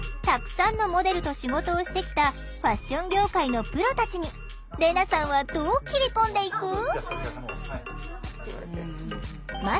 たくさんのモデルと仕事をしてきたファッション業界のプロたちにレナさんはどう切り込んでいく？